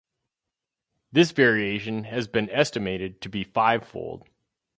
This variation has been estimated to be fivefold.